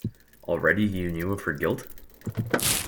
Already you knew of her guilt?